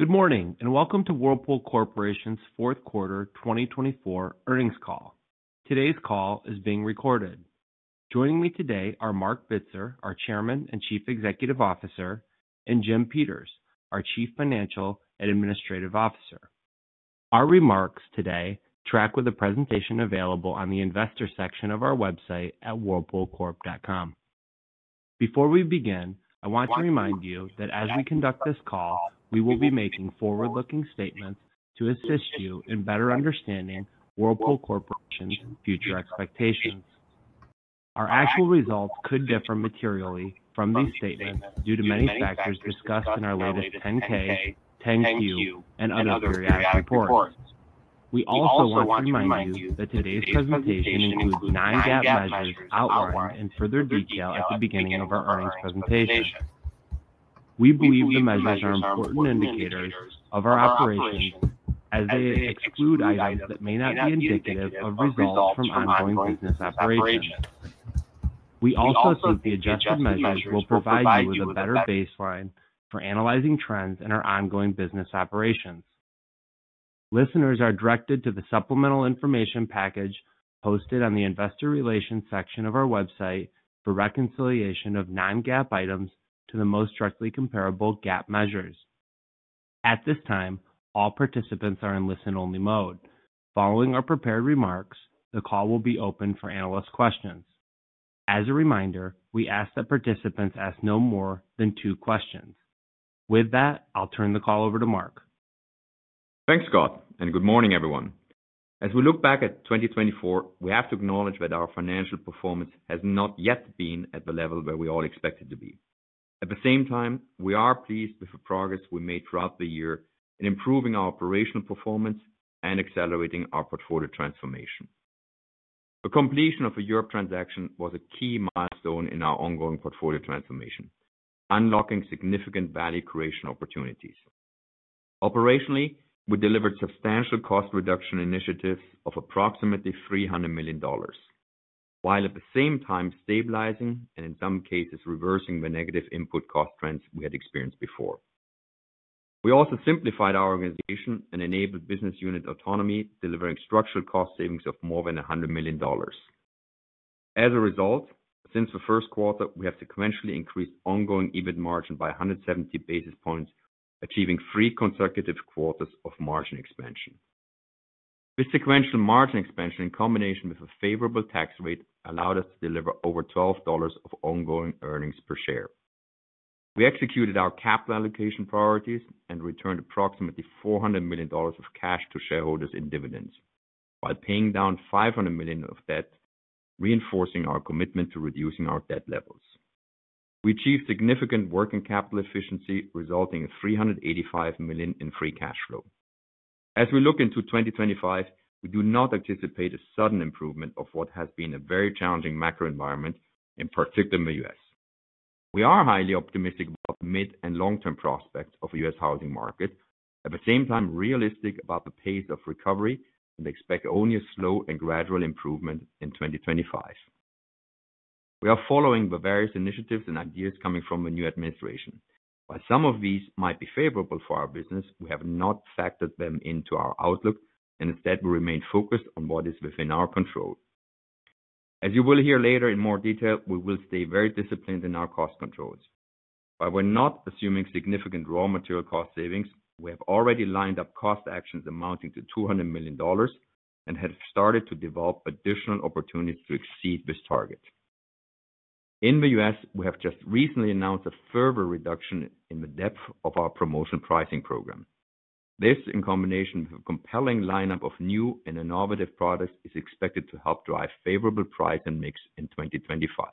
Good morning and welcome to Whirlpool Corporation's Q4 2024 Earnings Call. Today's call is being recorded. Joining me today are Marc Bitzer, our Chairman and Chief Executive Officer, and Jim Peters, our Chief Financial and Administrative Officer. Our remarks today track with the presentation available on the Investor section of our website at whirlpoolcorp.com. Before we begin, I want to remind you that as we conduct this call, we will be making forward-looking statements to assist you in better understanding Whirlpool Corporation's future expectations. Our actual results could differ materially from these statements due to many factors discussed in our latest 10-K, 10-Q, and other periodic reports. We also want to remind you that today's presentation includes nine GAAP measures outlined in further detail at the beginning of our earnings presentation. We believe the measures are important indicators of our operations as they exclude items that may not be indicative of results from ongoing business operations. We also think the adjusted measures will provide you with a better baseline for analyzing trends in our ongoing business operations. Listeners are directed to the supplemental information package posted on the Investor Relations section of our website for reconciliation of nine GAAP items to the most directly comparable GAAP measures. At this time, all participants are in listen-only mode. Following our prepared remarks, the call will be open for analyst questions. As a reminder, we ask that participants ask no more than two questions. With that, I'll turn the call over to Marc. Thanks, Scott, and good morning, everyone. As we look back at 2024, we have to acknowledge that our financial performance has not yet been at the level where we all expected to be. At the same time, we are pleased with the progress we made throughout the year in improving our operational performance and accelerating our portfolio transformation. The completion of a Europe transaction was a key milestone in our ongoing portfolio transformation, unlocking significant value creation opportunities. Operationally, we delivered substantial cost reduction initiatives of approximately $300 million, while at the same time stabilizing and, in some cases, reversing the negative input cost trends we had experienced before. We also simplified our organization and enabled business unit autonomy, delivering structural cost savings of more than $100 million. As a result, since Q1, we have sequentially increased ongoing EBIT margin by 170 basis points, achieving three consecutive quarters of margin expansion. This sequential margin expansion, in combination with a favorable tax rate, allowed us to deliver over $12 of ongoing earnings per share. We executed our capital allocation priorities and returned approximately $400 million of cash to shareholders in dividends, while paying down $500 million of debt, reinforcing our commitment to reducing our debt levels. We achieved significant working capital efficiency, resulting in $385 million in free cash flow. As we look into 2025, we do not anticipate a sudden improvement of what has been a very challenging macro environment, in particular in the U.S. We are highly optimistic about the mid and long-term prospects of the U.S. housing market, at the same time realistic about the pace of recovery and expect only a slow and gradual improvement in 2025. We are following the various initiatives and ideas coming from the new administration. While some of these might be favorable for our business, we have not factored them into our outlook, and instead, we remain focused on what is within our control. As you will hear later in more detail, we will stay very disciplined in our cost controls. While we're not assuming significant raw material cost savings, we have already lined up cost actions amounting to $200 million and have started to develop additional opportunities to exceed this target. In the U.S., we have just recently announced a further reduction in the depth of our promotion pricing program. This, in combination with a compelling lineup of new and innovative products, is expected to help drive a favorable price and mix in 2025.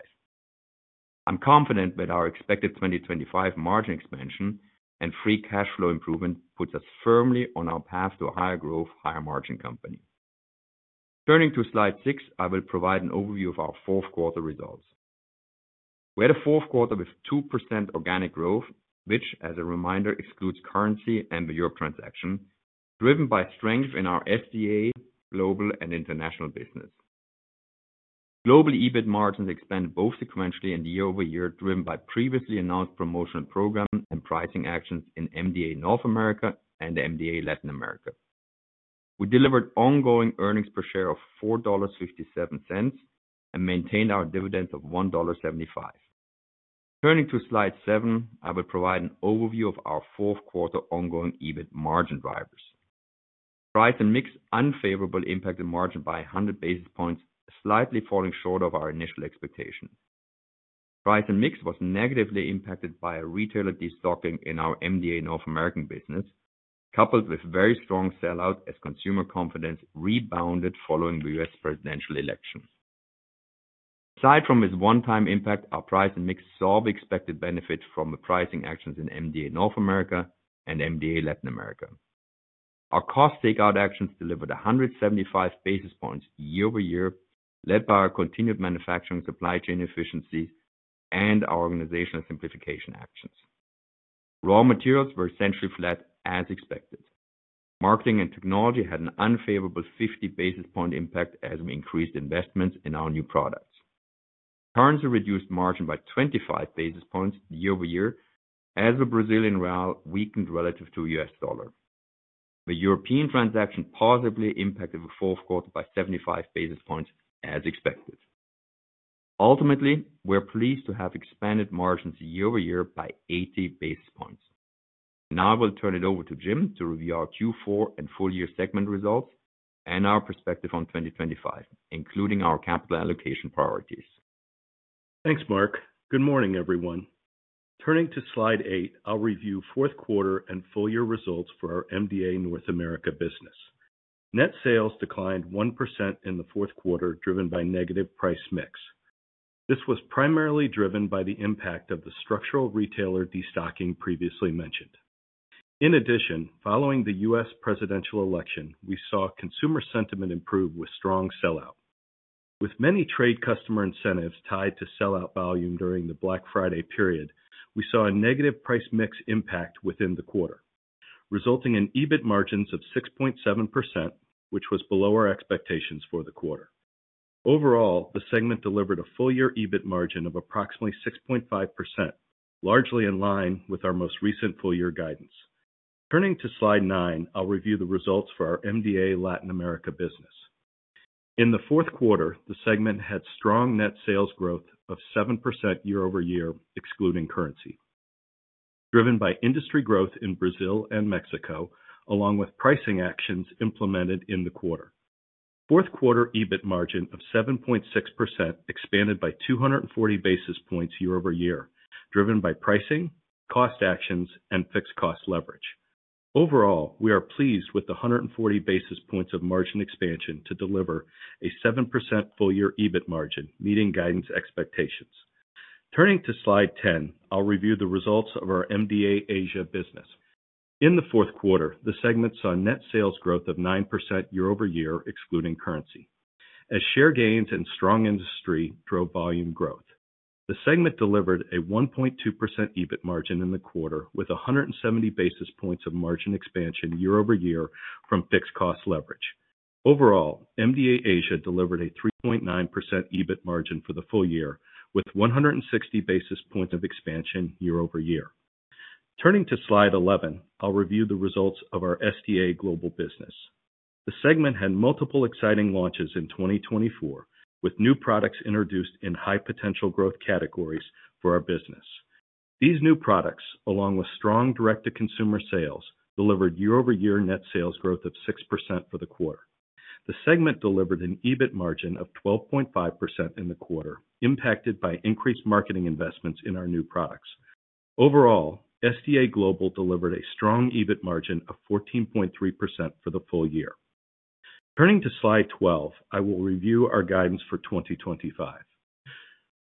I'm confident that our expected 2025 margin expansion and free cash flow improvement puts us firmly on our path to a higher growth, higher margin company. Turning to slide six, I will provide an overview of our Q4 results. We had a Q4 with 2% organic growth, which, as a reminder, excludes currency and the Europe transaction, driven by strength in our MDA, global, and international business. Global EBIT margins expand both sequentially and year over year, driven by previously announced promotional programs and pricing actions in MDA North America and MDA Latin America. We delivered ongoing earnings per share of $4.57 and maintained our dividend of $1.75. Turning to slide seven, I will provide an overview of our Q4 ongoing EBIT margin drivers. Price and mix unfavorably impacted margin by 100 basis points, slightly falling short of our initial expectation. Price and mix was negatively impacted by retailer destocking in our MDA North American business, coupled with very strong sell-out as consumer confidence rebounded following the U.S. presidential election. Aside from this one-time impact, our price and mix saw the expected benefit from the pricing actions in MDA North America and MDA Latin America. Our cost takeout actions delivered 175 basis points year over year, led by our continued manufacturing supply chain efficiencies and our organizational simplification actions. Raw materials were essentially flat as expected. Marketing and technology had an unfavorable 50 basis point impact as we increased investments in our new products. Currency reduced margin by 25 basis points year over year as the Brazilian real weakened relative to the U.S. dollar. The European transaction positively impacted Q4 by 75 basis points as expected. Ultimately, we're pleased to have expanded margins year over year by 80 basis points. Now I will turn it over to Jim to review our Q4 and full year segment results and our perspective on 2025, including our capital allocation priorities. Thanks, Marc. Good morning, everyone. Turning to slide eight, I'll review Q4 and full year results for our MDA North America business. Net sales declined 1% in Q4, driven by negative price mix. This was primarily driven by the impact of the structural retailer destocking previously mentioned. In addition, following the U.S. presidential election, we saw consumer sentiment improve with strong sellout. With many trade customer incentives tied to sellout volume during the Black Friday period, we saw a negative price mix impact within the quarter, resulting in EBIT margins of 6.7%, which was below our expectations for the quarter. Overall, the segment delivered a full year EBIT margin of approximately 6.5%, largely in line with our most recent full year guidance. Turning to slide nine, I'll review the results for our MDA Latin America business. In the Q4, the segment had strong net sales growth of 7% year over year, excluding currency, driven by industry growth in Brazil and Mexico, along with pricing actions implemented in the quarter. Q4 EBIT margin of 7.6% expanded by 240 basis points year over year, driven by pricing, cost actions, and fixed cost leverage. Overall, we are pleased with the 140 basis points of margin expansion to deliver a 7% full year EBIT margin, meeting guidance expectations. Turning to slide 10, I'll review the results of our MDA Asia business. In the Q4, the segment saw net sales growth of 9% year over year, excluding currency, as share gains and strong industry drove volume growth. The segment delivered a 1.2% EBIT margin in the quarter with 170 basis points of margin expansion year over year from fixed cost leverage. Overall, MDA Asia delivered a 3.9% EBIT margin for the full year with 160 basis points of expansion year over year. Turning to slide 11, I'll review the results of our SDA Global business. The segment had multiple exciting launches in 2024, with new products introduced in high potential growth categories for our business. These new products, along with strong direct-to-consumer sales, delivered year over year net sales growth of 6% for the quarter. The segment delivered an EBIT margin of 12.5% in the quarter, impacted by increased marketing investments in our new products. Overall, SDA global delivered a strong EBIT margin of 14.3% for the full year. Turning to slide 12, I will review our guidance for 2025.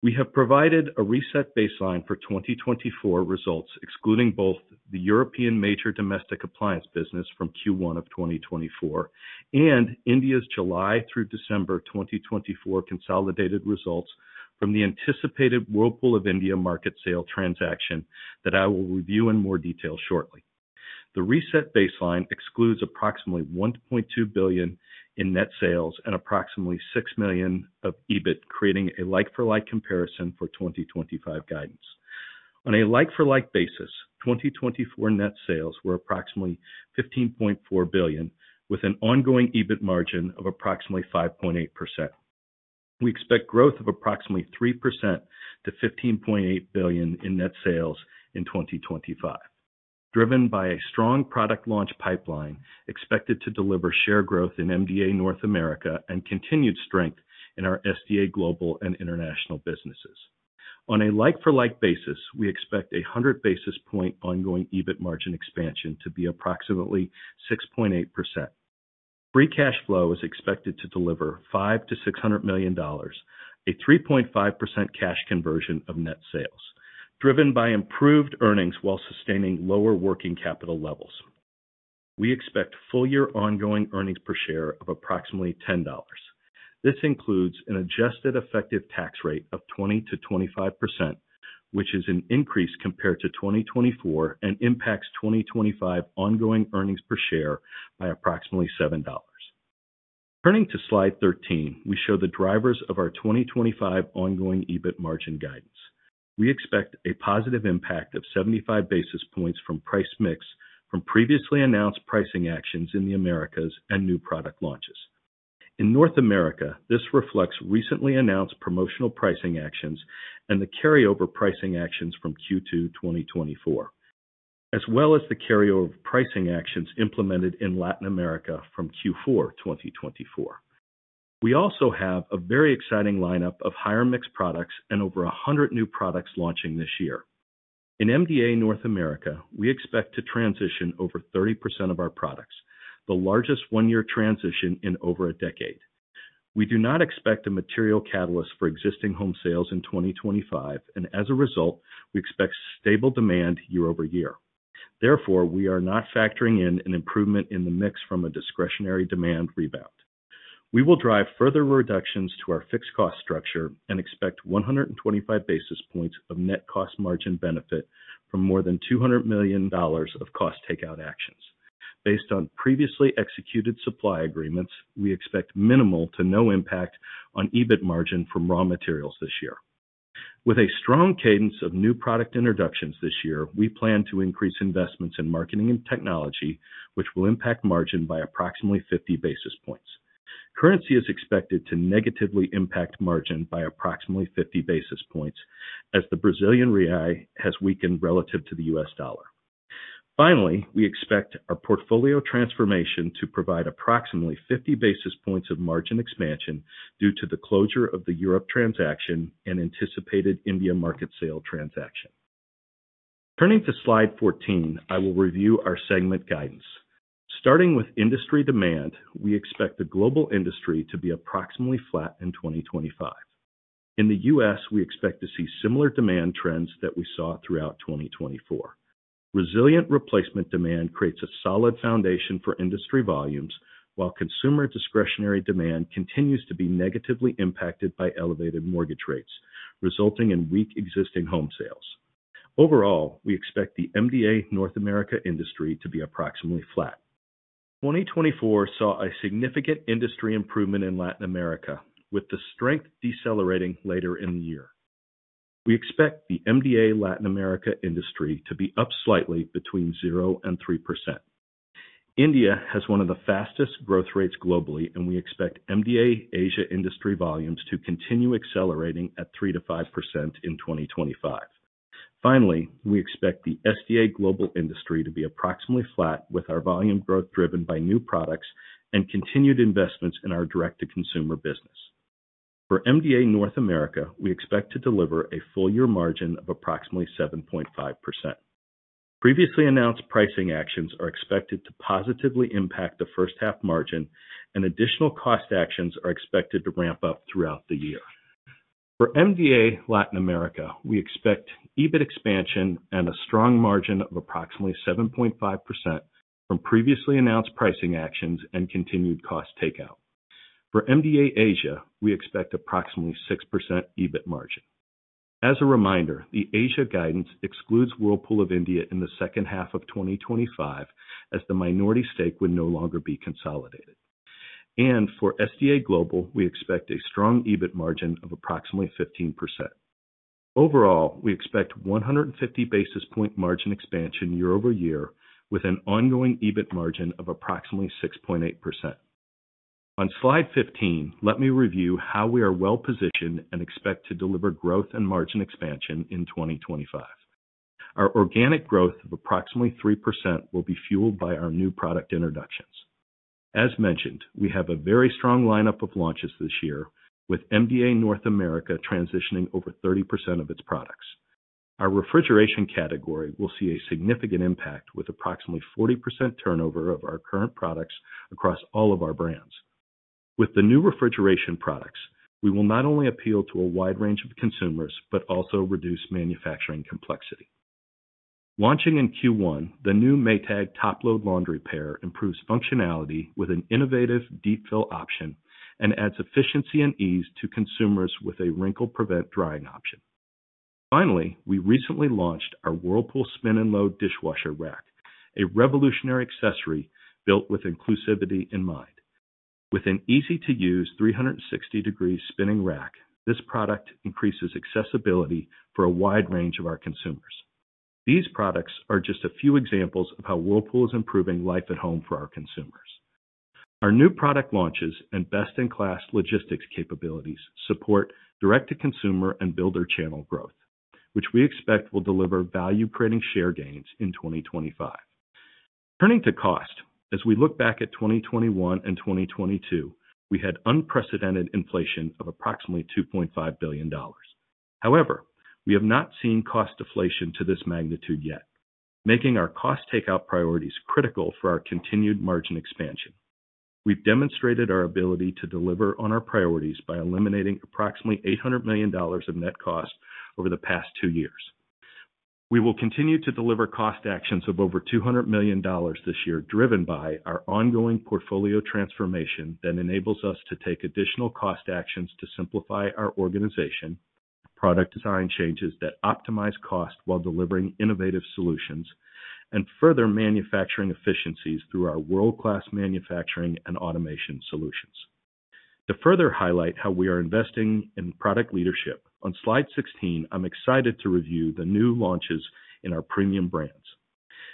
We have provided a reset baseline for 2024 results, excluding both the European major domestic appliance business from Q1 of 2024 and India's July through December 2024 consolidated results from the anticipated Whirlpool of India market sale transaction that I will review in more detail shortly. The reset baseline excludes approximately $1.2 billion in net sales and approximately $6 million of EBIT, creating a like-for-like comparison for 2025 guidance. On a like-for-like basis, 2024 net sales were approximately $15.4 billion, with an ongoing EBIT margin of approximately 5.8%. We expect growth of approximately 3% to $15.8 billion in net sales in 2025, driven by a strong product launch pipeline expected to deliver share growth in MDA North America and continued strength in our SDA global and international businesses. On a like-for-like basis, we expect a 100 basis points ongoing EBIT margin expansion to be approximately 6.8%. Free cash flow is expected to deliver $500-600 million, a 3.5% cash conversion of net sales, driven by improved earnings while sustaining lower working capital levels. We expect full year ongoing earnings per share of approximately $10. This includes an adjusted effective tax rate of 20% to 25%, which is an increase compared to 2024 and impacts 2025 ongoing earnings per share by approximately $7. Turning to slide 13, we show the drivers of our 2025 ongoing EBIT margin guidance. We expect a positive impact of 75 basis points from price mix from previously announced pricing actions in the Americas and new product launches. In North America, this reflects recently announced promotional pricing actions and the carryover pricing actions from Q2 2024, as well as the carryover pricing actions implemented in Latin America from Q4 2024. We also have a very exciting lineup of higher mix products and over 100 new products launching this year. In MDA North America, we expect to transition over 30% of our products, the largest one-year transition in over a decade. We do not expect a material catalyst for existing home sales in 2025, and as a result, we expect stable demand year over year. Therefore, we are not factoring in an improvement in the mix from a discretionary demand rebound. We will drive further reductions to our fixed cost structure and expect 125 basis points of net cost margin benefit from more than $200 million of cost takeout actions. Based on previously executed supply agreements, we expect minimal to no impact on EBIT margin from raw materials this year. With a strong cadence of new product introductions this year, we plan to increase investments in marketing and technology, which will impact margin by approximately 50 basis points. Currency is expected to negatively impact margin by approximately 50 basis points as the Brazilian real has weakened relative to the U.S. dollar. Finally, we expect our portfolio transformation to provide approximately 50 basis points of margin expansion due to the closure of the Europe transaction and anticipated India market sale transaction. Turning to slide 14, I will review our segment guidance. Starting with industry demand, we expect the global industry to be approximately flat in 2025. In the U.S., we expect to see similar demand trends that we saw throughout 2024. Resilient replacement demand creates a solid foundation for industry volumes, while consumer discretionary demand continues to be negatively impacted by elevated mortgage rates, resulting in weak existing home sales. Overall, we expect the MDA North America industry to be approximately flat. 2024 saw a significant industry improvement in Latin America, with the strength decelerating later in the year. We expect the MDA Latin America industry to be up slightly between 0% and 3%. India has one of the fastest growth rates globally, and we expect MDA Asia industry volumes to continue accelerating at 3% to 5% in 2025. Finally, we expect the SDA global industry to be approximately flat, with our volume growth driven by new products and continued investments in our direct-to-consumer business. For MDA North America, we expect to deliver a full year margin of approximately 7.5%. Previously announced pricing actions are expected to positively impact the first half margin, and additional cost actions are expected to ramp up throughout the year. For MDA Latin America, we expect EBIT expansion and a strong margin of approximately 7.5% from previously announced pricing actions and continued cost takeout. For MDA Asia, we expect approximately 6% EBIT margin. As a reminder, the Asia guidance excludes Whirlpool of India in the second half of 2025, as the minority stake would no longer be consolidated. For SDA Global, we expect a strong EBIT margin of approximately 15%. Overall, we expect 150 basis point margin expansion year over year, with an ongoing EBIT margin of approximately 6.8%. On slide 15, let me review how we are well positioned and expect to deliver growth and margin expansion in 2025. Our organic growth of approximately 3% will be fueled by our new product introductions. As mentioned, we have a very strong lineup of launches this year, with MDA North America transitioning over 30% of its products. Our refrigeration category will see a significant impact, with approximately 40% turnover of our current products across all of our brands. With the new refrigeration products, we will not only appeal to a wide range of consumers, but also reduce manufacturing complexity. Launching in Q1, the new Maytag Top Load Laundry Pair improves functionality with an innovative Deep Fill option and adds efficiency and ease to consumers with a Wrinkle Prevent drying option. Finally, we recently launched our Whirlpool Spin & Load Dishwasher Rack, a revolutionary accessory built with inclusivity in mind. With an easy-to-use 360-degree spinning rack, this product increases accessibility for a wide range of our consumers. These products are just a few examples of how Whirlpool is improving life at home for our consumers. Our new product launches and best-in-class logistics capabilities support direct-to-consumer and builder channel growth, which we expect will deliver value-creating share gains in 2025. Turning to cost, as we look back at 2021 and 2022, we had unprecedented inflation of approximately $2.5 billion. However, we have not seen cost deflation to this magnitude yet, making our cost takeout priorities critical for our continued margin expansion. We've demonstrated our ability to deliver on our priorities by eliminating approximately $800 million of net cost over the past two years. We will continue to deliver cost actions of over $200 million this year, driven by our ongoing portfolio transformation that enables us to take additional cost actions to simplify our organization, product design changes that optimize cost while delivering innovative solutions, and further manufacturing efficiencies through our world-class manufacturing and automation solutions. To further highlight how we are investing in product leadership, on slide 16, I'm excited to review the new launches in our premium brands.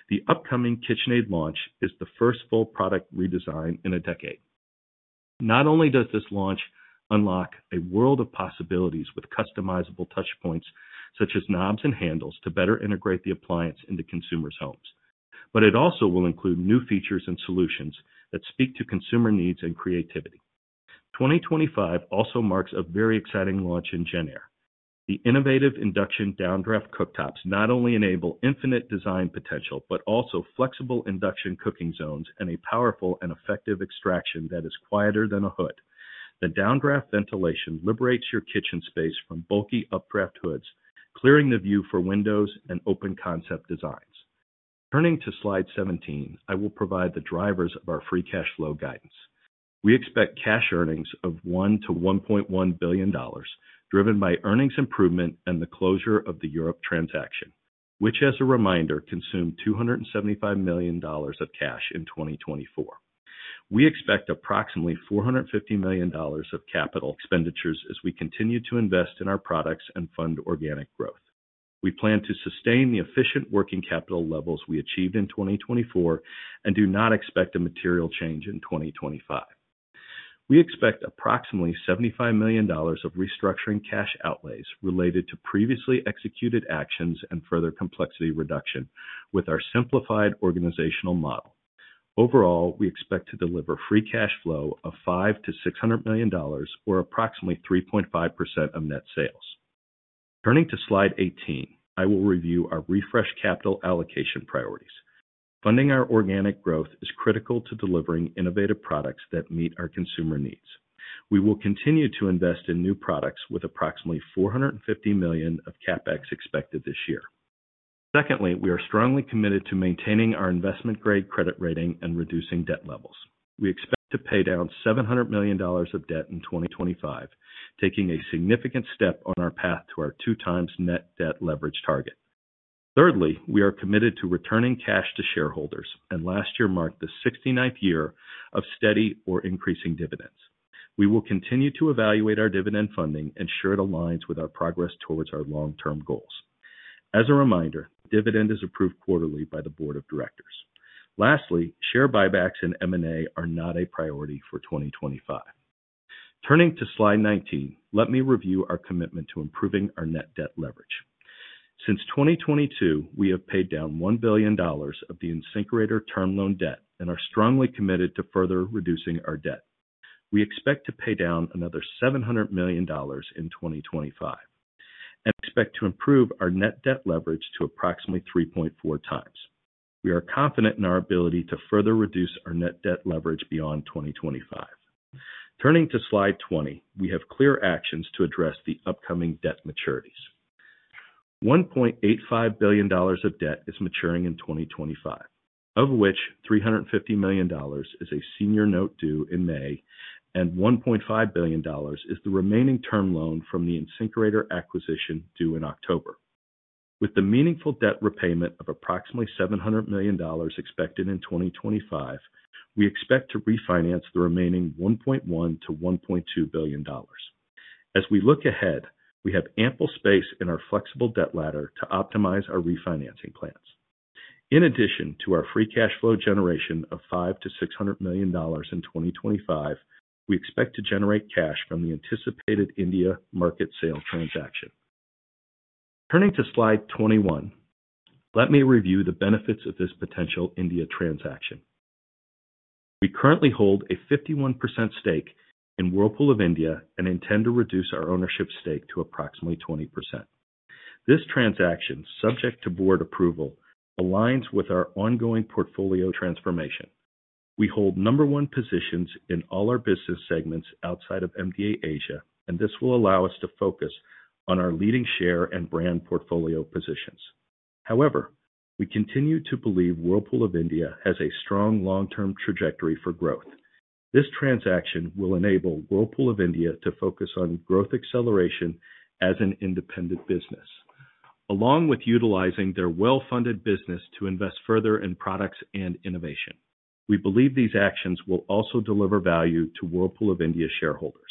The upcoming KitchenAid launch is the first full product redesign in a decade. Not only does this launch unlock a world of possibilities with customizable touchpoints such as knobs and handles to better integrate the appliance into consumers' homes, but it also will include new features and solutions that speak to consumer needs and creativity. 2025 also marks a very exciting launch in JennAir. The innovative Induction Downdraft Cooktops not only enable infinite design potential, but also flexible induction cooking zones and a powerful and effective extraction that is quieter than a hood. The downdraft ventilation liberates your kitchen space from bulky updraft hoods, clearing the view for windows and open concept designs. Turning to slide 17, I will provide the drivers of our free cash flow guidance. We expect cash earnings of $1-1.1 billion, driven by earnings improvement and the closure of the Europe transaction, which, as a reminder, consumed $275 million of cash in 2024. We expect approximately $450 million of capital expenditures as we continue to invest in our products and fund organic growth. We plan to sustain the efficient working capital levels we achieved in 2024 and do not expect a material change in 2025. We expect approximately $75 million of restructuring cash outlays related to previously executed actions and further complexity reduction with our simplified organizational model. Overall, we expect to deliver free cash flow of $500-600 million, or approximately 3.5% of net sales. Turning to slide 18, I will review our refreshed capital allocation priorities. Funding our organic growth is critical to delivering innovative products that meet our consumer needs. We will continue to invest in new products with approximately $450 million of CapEx expected this year. Secondly, we are strongly committed to maintaining our investment-grade credit rating and reducing debt levels. We expect to pay down $700 million of debt in 2025, taking a significant step on our path to our two-times net debt leverage target. Thirdly, we are committed to returning cash to shareholders, and last year marked the 69th year of steady or increasing dividends. We will continue to evaluate our dividend funding and ensure it aligns with our progress towards our long-term goals. As a reminder, the dividend is approved quarterly by the board of directors. Lastly, share buybacks in M&A are not a priority for 2025. Turning to slide 19, let me review our commitment to improving our net debt leverage. Since 2022, we have paid down $1 billion of the InSinkErator term loan debt and are strongly committed to further reducing our debt. We expect to pay down another $700 million in 2025 and expect to improve our net debt leverage to approximately 3.4 times. We are confident in our ability to further reduce our net debt leverage beyond 2025. Turning to slide 20, we have clear actions to address the upcoming debt maturities. $1.85 billion of debt is maturing in 2025, of which $350 million is a senior note due in May, and $1.5 billion is the remaining term loan from the InSinkErator acquisition due in October. With the meaningful debt repayment of approximately $700 million expected in 2025, we expect to refinance the remaining $1.1-1.2 billion. As we look ahead, we have ample space in our flexible debt ladder to optimize our refinancing plans. In addition to our free cash flow generation of $500-600 million in 2025, we expect to generate cash from the anticipated India market sale transaction. Turning to slide 21, let me review the benefits of this potential India transaction. We currently hold a 51% stake in Whirlpool of India and intend to reduce our ownership stake to approximately 20%. This transaction, subject to board approval, aligns with our ongoing portfolio transformation. We hold number one positions in all our business segments outside of MDA Asia, and this will allow us to focus on our leading share and brand portfolio positions. However, we continue to believe Whirlpool of India has a strong long-term trajectory for growth. This transaction will enable Whirlpool of India to focus on growth acceleration as an independent business, along with utilizing their well-funded business to invest further in products and innovation. We believe these actions will also deliver value to Whirlpool of India shareholders.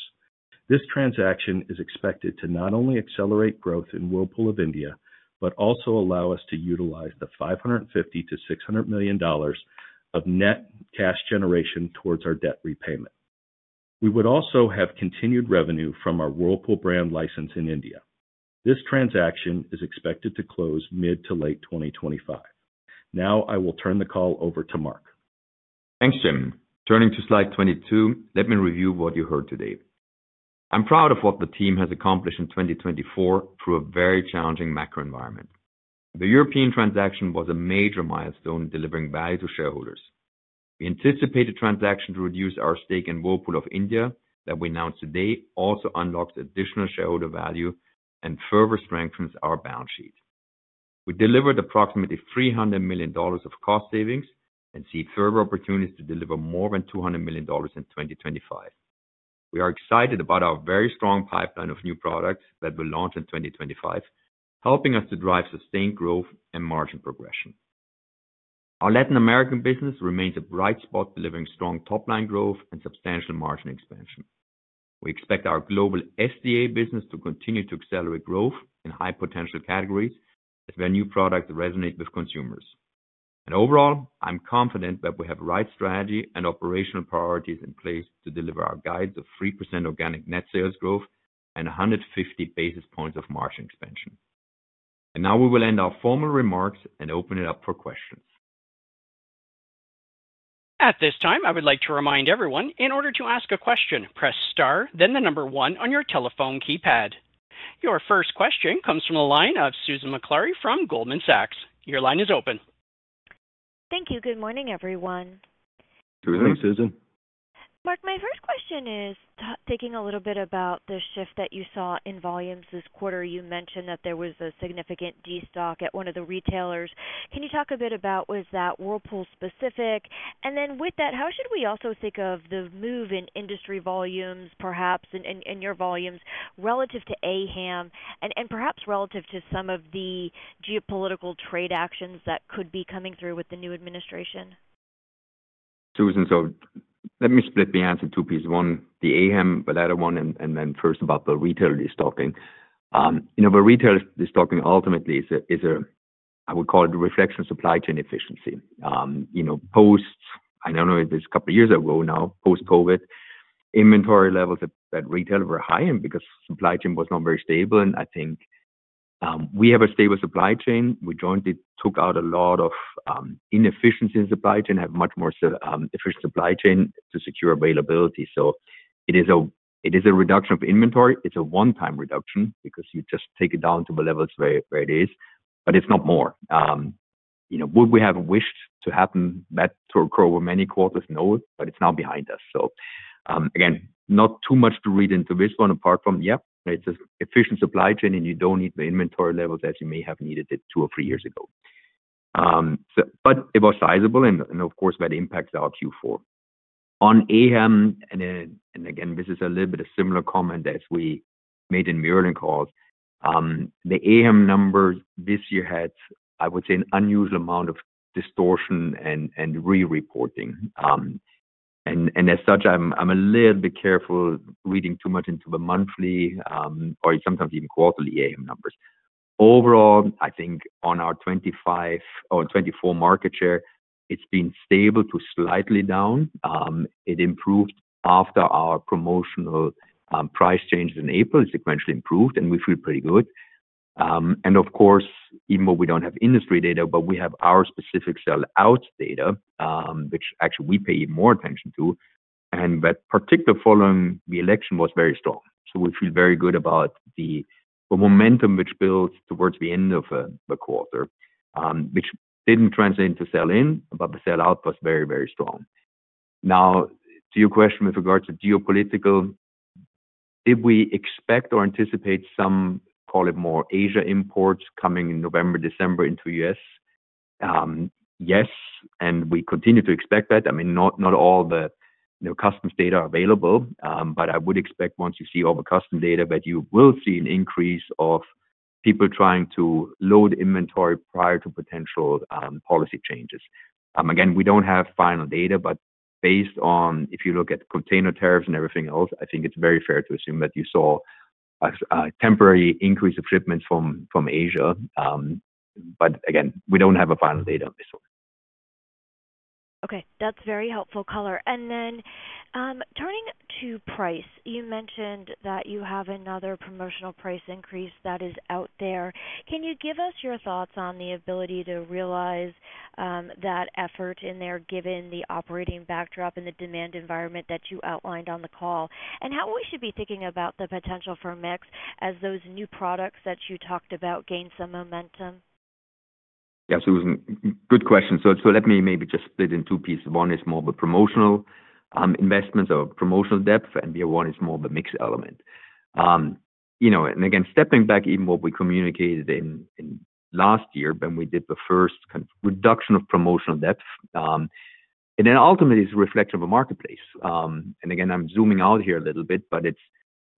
This transaction is expected to not only accelerate growth in Whirlpool of India, but also allow us to utilize the $550-600 million of net cash generation towards our debt repayment. We would also have continued revenue from our Whirlpool brand license in India. This transaction is expected to close mid to late 2025. Now I will turn the call over to Marc. Thanks, Jim. Turning to slide 22, let me review what you heard today. I'm proud of what the team has accomplished in 2024 through a very challenging macro environment. The European transaction was a major milestone in delivering value to shareholders. We announced the transaction to reduce our stake in Whirlpool of India that we announced today also unlocks additional shareholder value and further strengthens our balance sheet. We delivered approximately $300 million of cost savings and see further opportunities to deliver more than $200 million in 2025. We are excited about our very strong pipeline of new products that will launch in 2025, helping us to drive sustained growth and margin progression. Our Latin America business remains a bright spot, delivering strong top-line growth and substantial margin expansion. We expect our global SDA business to continue to accelerate growth in high-potential categories as their new products resonate with consumers, and overall, I'm confident that we have the right strategy and operational priorities in place to deliver our guides of 3% organic net sales growth and 150 basis points of margin expansion. And now we will end our formal remarks and open it up for questions. At this time, I would like to remind everyone, in order to ask a question, press star, then the number one on your telephone keypad. Your first question comes from the line of Susan Maklari from Goldman Sachs. Your line is open. Thank you. Good morning, everyone. Good morning, Susan. Marc, my first question is taking a little bit about the shift that you saw in volumes this quarter. You mentioned that there was a significant destock at one of the retailers. Can you talk a bit about was that Whirlpool specific? And then with that, how should we also think of the move in industry volumes, perhaps in your volumes, relative to AHAM and perhaps relative to some of the geopolitical trade actions that could be coming through with the new administration? Susan, so let me split the answer in two pieces. One, the AHAM, but the other one, and then first about the retail destocking. The retail destocking ultimately is a, I would call it a reflection of supply chain efficiency. Post, I don't know, this couple of years ago now, post-COVID, inventory levels at retail were higher because supply chain was not very stable. And I think we have a stable supply chain. We jointly took out a lot of inefficiency in supply chain, have much more efficient supply chain to secure availability. So it is a reduction of inventory. It's a one-time reduction because you just take it down to the levels where it is, but it's not more. What we have wished to happen back to occur over many quarters? No, but it's now behind us. So again, not too much to read into this one apart from, yep, it's an efficient supply chain and you don't need the inventory levels as you may have needed it two or three years ago. But it was sizable and, of course, that impacts our Q4. On AHAM, and again, this is a little bit of similar comment as we made in the early calls, the AHAM numbers this year had, I would say, an unusual amount of distortion and re-reporting. And as such, I'm a little bit careful reading too much into the monthly or sometimes even quarterly AHAM numbers. Overall, I think on our 25 or 24 market share, it's been stable to slightly down. It improved after our promotional price changes in April. It sequentially improved and we feel pretty good. Of course, even though we don't have industry data, but we have our specific sell-out data, which actually we pay more attention to, and that particular following the election was very strong. We feel very good about the momentum which built towards the end of the quarter, which didn't translate into sell-in, but the sell-out was very, very strong. Now, to your question with regards to geopolitical, did we expect or anticipate some, call it more Asia imports coming in November, December into the U.S.? Yes, and we continue to expect that. I mean, not all the customs data are available, but I would expect once you see all the customs data that you will see an increase of people trying to load inventory prior to potential policy changes. Again, we don't have final data, but based on if you look at container tariffs and everything else, I think it's very fair to assume that you saw a temporary increase of shipments from Asia. But again, we don't have final data on this one. Okay. That's very helpful color. And then turning to price, you mentioned that you have another promotional price increase that is out there. Can you give us your thoughts on the ability to realize that effort in there given the operating backdrop and the demand environment that you outlined on the call, and how we should be thinking about the potential for mix as those new products that you talked about gain some momentum? Yeah, Susan, good question. So let me maybe just split in two pieces. One is more of a promotional investments or promotional depth, and the other one is more of a mixed element, and again, stepping back, even what we communicated in last year when we did the first reduction of promotional depth, and then ultimately it's a reflection of a marketplace, and again, I'm zooming out here a little bit, but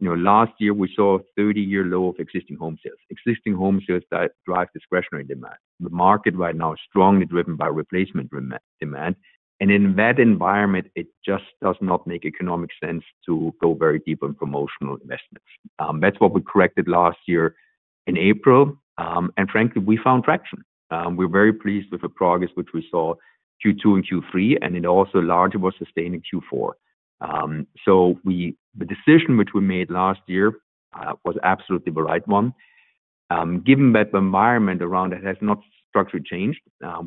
last year we saw a 30-year low of existing home sales. Existing home sales drive discretionary demand. The market right now is strongly driven by replacement demand, and in that environment, it just does not make economic sense to go very deep in promotional investments. That's what we corrected last year in April, and frankly, we found traction. We're very pleased with the progress which we saw Q2 and Q3, and it also largely was sustained in Q4, so the decision which we made last year was absolutely the right one. Given that the environment around it has not structurally changed,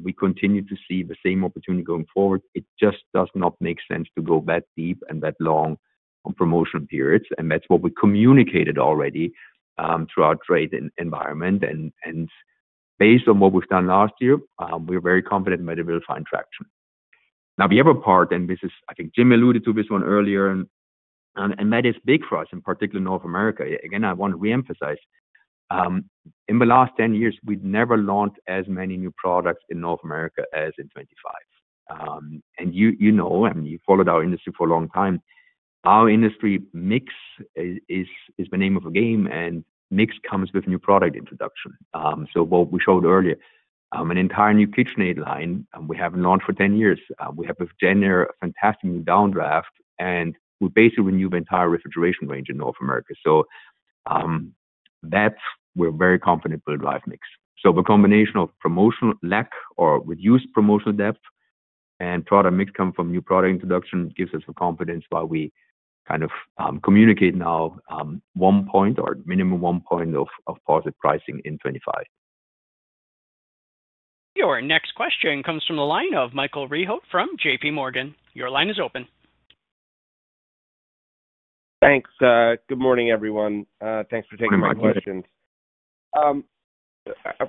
we continue to see the same opportunity going forward. It just does not make sense to go that deep and that long on promotional periods. And that's what we communicated already throughout trade environment. And based on what we've done last year, we're very confident that it will find traction. Now, the other part, and this is, I think, Jim alluded to this one earlier, and that is big for us, in particular, North America. Again, I want to reemphasize, in the last 10 years, we've never launched as many new products in North America as in 2025. And you know, and you followed our industry for a long time, our industry mix is the name of the game, and mix comes with new product introduction. So what we showed earlier, an entire new KitchenAid line we haven't launched for 10 years. We have a genuinely fantastic new downdraft, and we basically renewed the entire refrigeration range in North America. So that's where we're very confident we'll drive mix. So the combination of promotional lack or reduced promotional depth and product mix coming from new product introduction gives us the confidence why we kind of communicate now one point or minimum one point of positive pricing in 2025. Your next question comes from the line of Michael Rehaut from J.P. Morgan. Your line is open. Thanks. Good morning, everyone. Thanks for taking my questions.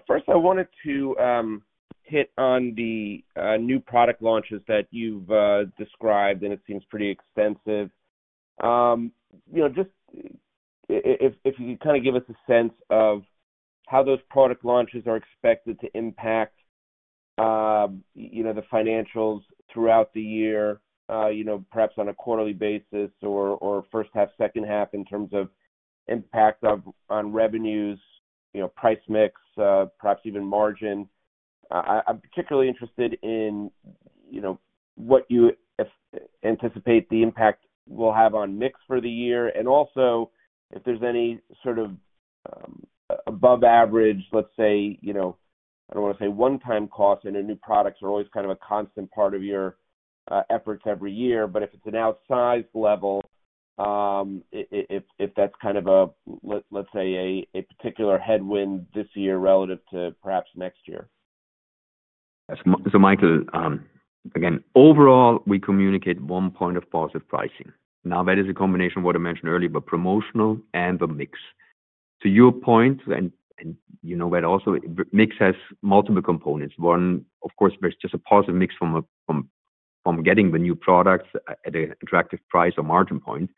First, I wanted to hit on the new product launches that you've described, and it seems pretty extensive. Just if you could kind of give us a sense of how those product launches are expected to impact the financials throughout the year, perhaps on a quarterly basis or first half, second half in terms of impact on revenues, price mix, perhaps even margin? I'm particularly interested in what you anticipate the impact will have on mix for the year, and also if there's any sort of above average, let's say, I don't want to say one-time costs and new products are always kind of a constant part of your efforts every year, but if it's an outsized level, if that's kind of a, let's say, a particular headwind this year relative to perhaps next year. Michael, again, overall, we communicate one point of positive pricing. Now, that is a combination of what I mentioned earlier, but promotional and the mix. To your point, and you know that also, mix has multiple components. One, of course, there's just a positive mix from getting the new products at an attractive price or margin point.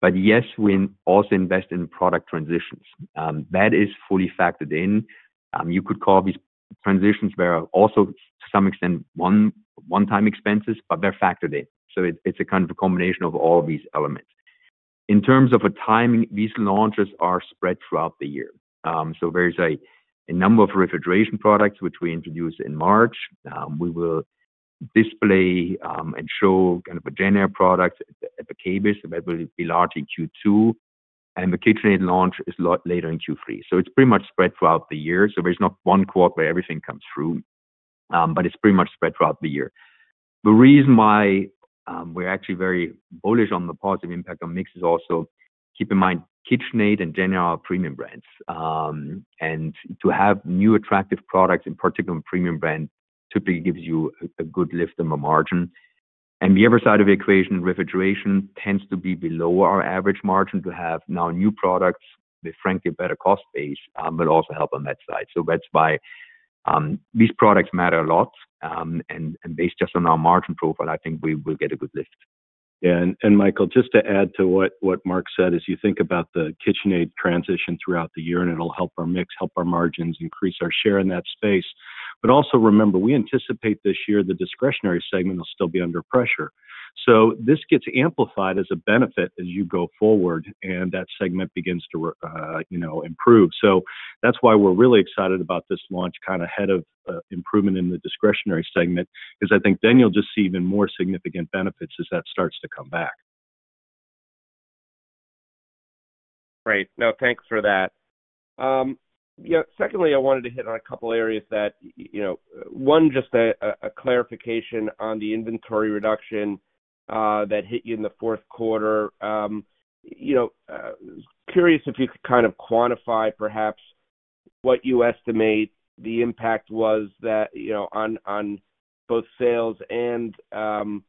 But yes, we also invest in product transitions. That is fully factored in. You could call these transitions where also to some extent one-time expenses, but they're factored in. So it's a kind of a combination of all these elements. In terms of a timing, these launches are spread throughout the year. So there is a number of refrigeration products which we introduced in March. We will display and show kind of a genuine product at the KBIS, but it will be largely Q2, and the KitchenAid launch is later in Q3. So it's pretty much spread throughout the year, so there's not one quarter where everything comes through, but it's pretty much spread throughout the year. The reason why we're actually very bullish on the positive impact on mix is, also, keep in mind KitchenAid and JennAir are premium brands. And to have new attractive products, in particular, premium brands typically gives you a good lift in the margin. And the other side of the equation, refrigeration tends to be below our average margin. To have now new products with, frankly, a better cost base, but also help on that side. So that's why these products matter a lot. And based just on our margin profile, I think we will get a good lift. T Yeah. And Michael, just to add to what Marc said, as you think about the KitchenAid transition throughout the year, and it'll help our mix, help our margins, increase our share in that space. But also remember, we anticipate this year the discretionary segment will still be under pressure. So this gets amplified as a benefit as you go forward, and that segment begins to improve. So that's why we're really excited about this launch kind of ahead of improvement in the discretionary segment, because I think then you'll just see even more significant benefits as that starts to come back. Right. No, thanks for that. Secondly, I wanted to hit on a couple of areas, that one just a clarification on the inventory reduction that hit you in the Q4. Curious if you could kind of quantify perhaps what you estimate the impact was on both sales and the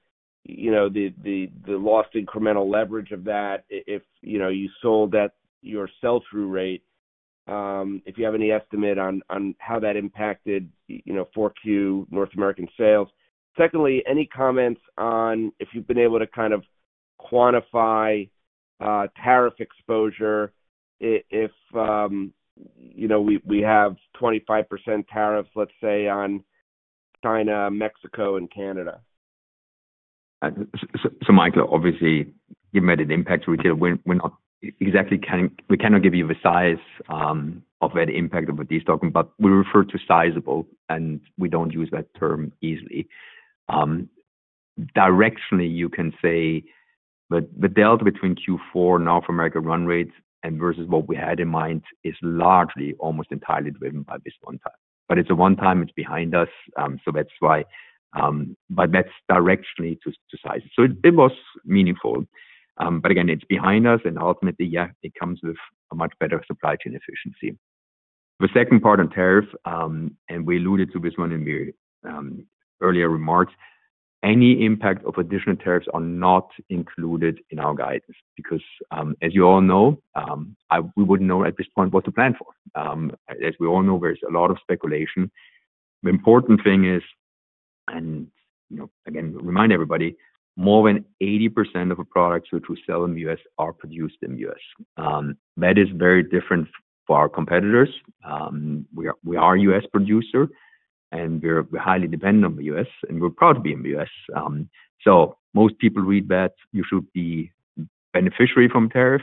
lost incremental leverage of that if you sold at your sell-through rate, if you have any estimate on how that impacted Q4 North American sales. Secondly, any comments on if you've been able to kind of quantify tariff exposure if we have 25% tariffs, let's say, on China, Mexico, and Canada? So, Michael, obviously you made an impact retail. We cannot give you the size of that impact of a destocking, but we refer to sizable, and we don't use that term easily. Directionally, you can say the delta between Q4 North America run rates versus what we had in mind is largely almost entirely driven by this one-time. But it's a one-time. It's behind us. So that's why. But that's directionally to size. So it was meaningful. But again, it's behind us, and ultimately, yeah, it comes with a much better supply chain efficiency. The second part on tariff, and we alluded to this one in your earlier remarks, any impact of additional tariffs are not included in our guidance because, as you all know, we wouldn't know at this point what to plan for. As we all know, there's a lot of speculation. The important thing is, and again, remind everybody, more than 80% of the products which we sell in the U.S. are produced in the U.S. That is very different for our competitors. We are a U.S. producer, and we're highly dependent on the U.S., and we're proud to be in the U.S. So most people read that you should be beneficiary from tariff.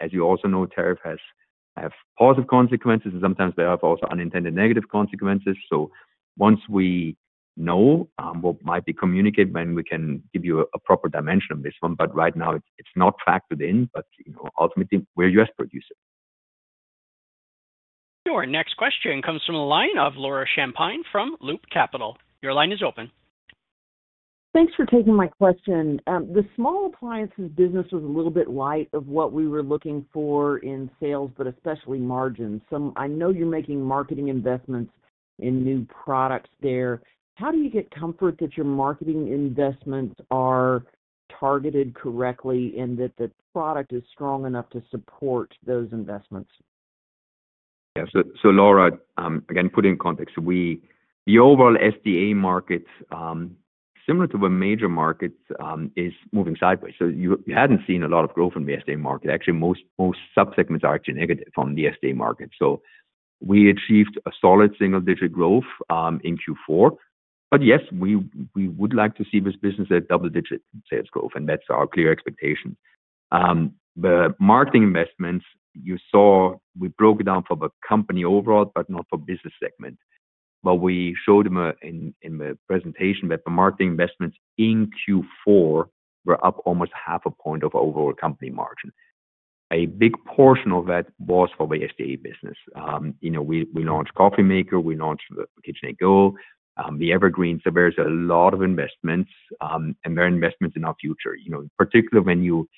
As you also know, tariff has positive consequences, and sometimes they have also unintended negative consequences. So once we know what might be communicated, then we can give you a proper dimension of this one. But right now, it's not factored in, but ultimately, we're U.S. producers. Your next question comes from the line of Laura Champine from Loop Capital. Your line is open. Thanks for taking my question. The small appliances business was a little bit light on what we were looking for in sales, but especially margins. I know you're making marketing investments in new products there. How do you get comfort that your marketing investments are targeted correctly and that the product is strong enough to support those investments? Yeah. So Laura, again, putting in context, the overall SDA market, similar to the major markets, is moving sideways. So you hadn't seen a lot of growth in the SDA market. Actually, most subsegments are actually negative from the SDA market. So we achieved a solid single-digit growth in Q4. But yes, we would like to see this business at double-digit sales growth, and that's our clear expectation. The marketing investments, you saw we broke it down for the company overall, but not for business segment. But we showed them in the presentation that the marketing investments in Q4 were up almost half a point of overall company margin. A big portion of that was for the SDA business. We launched Coffee Maker. We launched KitchenAid Go. The Evergreen. So there's a lot of investments, and there are investments in our future. In particular, when you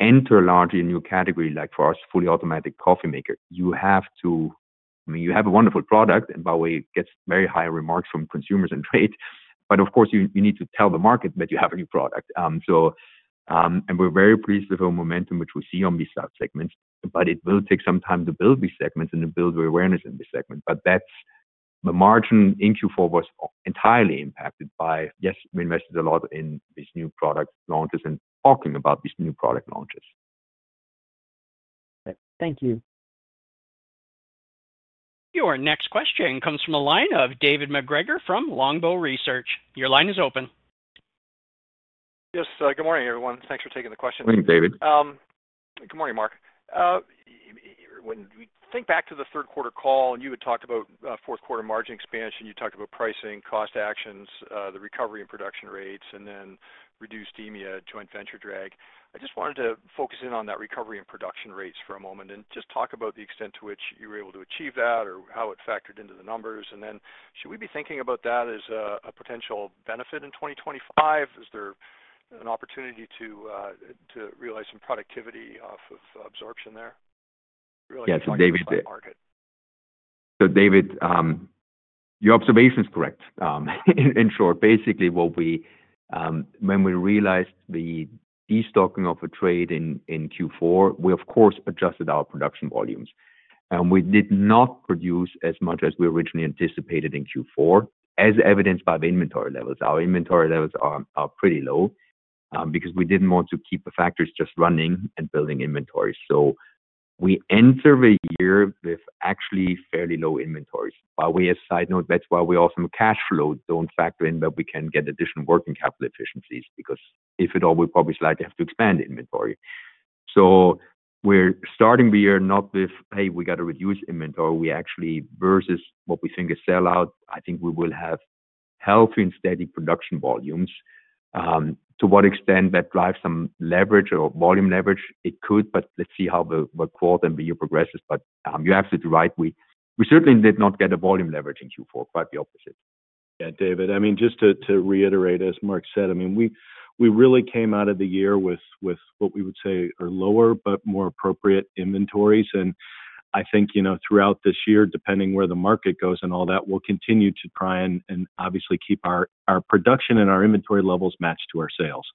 enter largely a new category like for us, fully automatic coffee maker, you have to, I mean, you have a wonderful product, and by the way, it gets very high remarks from consumers and trade. But of course, you need to tell the market that you have a new product. We're very pleased with the momentum which we see on these subsegments, but it will take some time to build these segments and to build awareness in this segment. But the margin in Q4 was entirely impacted by, yes, we invested a lot in these new product launches and talking about these new product launches. Thank you. Your next question comes from the line of David MacGregor from Longbow Research. Your line is open. Yes. Good morning, everyone. Thanks for taking the question. Morning, David. Good morning, Marc. When we think back to the third quarter call, and you had talked about Q4 margin expansion, you talked about pricing, cost actions, the recovery in production rates, and then reduced EMEA joint venture drag. I just wanted to focus in on that recovery in production rates for a moment and just talk about the extent to which you were able to achieve that or how it factored into the numbers. And then should we be thinking about that as a potential benefit in 2025? Is there an opportunity to realize some productivity off of absorption there? Realizing the market. So David, your observation is correct. In short, basically, when we realized the destocking of a trade in Q4, we, of course, adjusted our production volumes. We did not produce as much as we originally anticipated in Q4, as evidenced by the inventory levels. Our inventory levels are pretty low because we didn't want to keep the factories just running and building inventory. So we entered the year with actually fairly low inventories. By way of side note, that's why we also cash flow don't factor in, but we can get additional working capital efficiencies because if at all, we probably slightly have to expand inventory. So we're starting the year not with, "Hey, we got to reduce inventory." We actually, versus what we think is sellout, I think we will have healthy and steady production volumes. To what extent that drives some leverage or volume leverage, it could, but let's see how the quarter and the year progresses. But you're absolutely right. We certainly did not get a volume leverage in Q4, quite the opposite. Yeah, David. I mean, just to reiterate, as Marc said, I mean, we really came out of the year with what we would say are lower but more appropriate inventories. And I think throughout this year, depending where the market goes and all that, we'll continue to try and obviously keep our production and our inventory levels matched to our sales.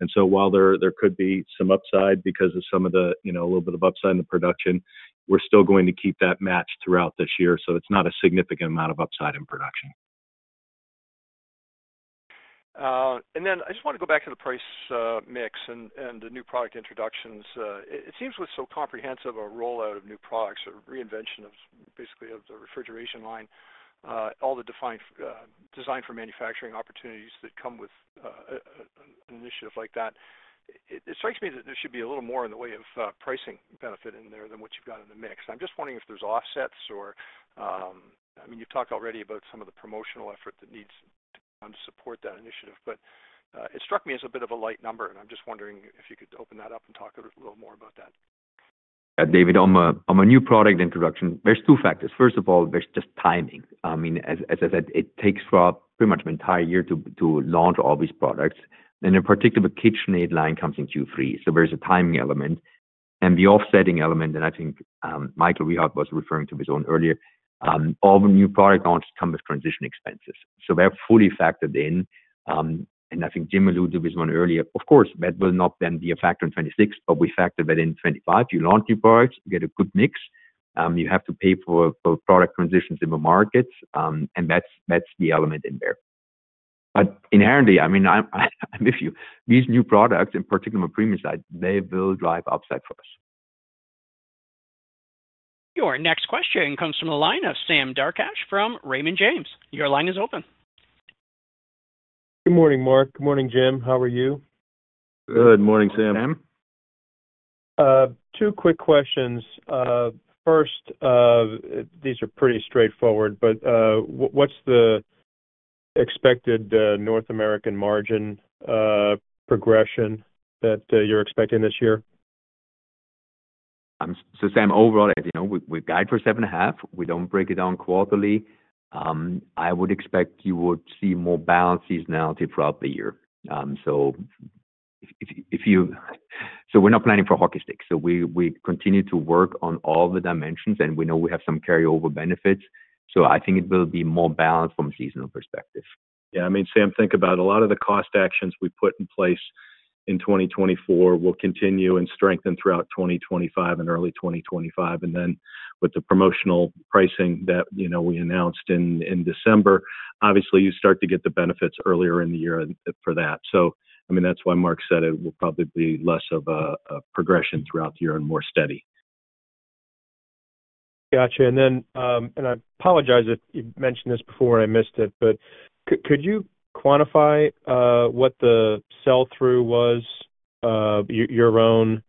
And so while there could be some upside because of some of the a little bit of upside in the production, we're still going to keep that match throughout this year. So it's not a significant amount of upside in production. And then I just want to go back to the price mix and the new product introductions. It seems with so comprehensive a rollout of new products, a reinvention of basically of the refrigeration line, all the design for manufacturing opportunities that come with an initiative like that, it strikes me that there should be a little more in the way of pricing benefit in there than what you've got in the mix. I'm just wondering if there's offsets or, I mean, you've talked already about some of the promotional effort that needs to be done to support that initiative, but it struck me as a bit of a light number, and I'm just wondering if you could open that up and talk a little more about that. David, on the new product introduction, there's two factors. First of all, there's just timing. I mean, as I said, it takes for pretty much an entire year to launch all these products. And in particular, the KitchenAid line comes in Q3. So there's a timing element and the offsetting element. And I think Michael Rehaut was referring to his own earlier, all the new product launches come with transition expenses. So they're fully factored in. And I think Jim alluded to his one earlier. Of course, that will not then be a factor in 2026, but we factor that in 2025. You launch new products, you get a good mix. You have to pay for product transitions in the markets, and that's the element in there. But inherently, I mean, I'm with you. These new products, in particular, my premium side, they will drive upside for us. Your next question comes from the line of Sam Darkatsh from Raymond James. Your line is open. Good morning, Marc. Good morning, Jim. How are you? Good morning, Sam. Sam? Two quick questions. First, these are pretty straightforward, but what's the expected North American margin progression that you're expecting this year? So Sam, overall, we guide for seven and a half. We don't break it down quarterly. I would expect you would see more balanced seasonality throughout the year. So we're not planning for hockey sticks. So we continue to work on all the dimensions, and we know we have some carryover benefits. So I think it will be more balanced from a seasonal perspective. Yeah. I mean, Sam, think about a lot of the cost actions we put in place in 2024 will continue and strengthen throughout 2025 and early 2025. And then with the promotional pricing that we announced in December, obviously, you start to get the benefits earlier in the year for that. So I mean, that's why Marc said it will probably be less of a progression throughout the year and more steady. Gotcha. And I apologize if you've mentioned this before and I missed it, but could you quantify what the sell-through was, your own